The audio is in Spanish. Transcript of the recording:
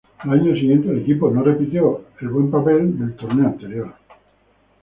Al año siguiente el equipo no repitió la buena performance del torneo anterior.